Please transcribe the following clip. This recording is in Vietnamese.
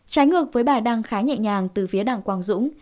trái ngược với bài đăng khá nhẹ nhàng từ phía đảng quang dũng